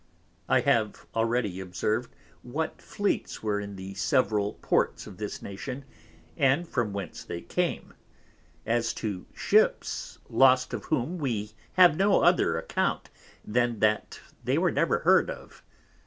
I have already observ'd what Fleets were in the several Ports of this Nation, and from whence they came: As to Ships lost of whom we have no other Account than that they were never heard of.